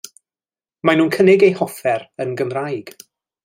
Mae nhw'n yn cynnig eu hoffer yn Gymraeg.